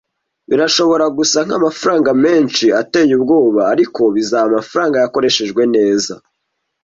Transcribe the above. Birashobora gusa nkamafaranga menshi ateye ubwoba, ariko bizaba amafaranga yakoreshejwe neza.